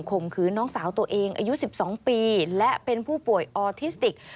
มขืนน้องสาวตัวเองอายุ๑๒ปีและเป็นผู้ป่วยออทิสติก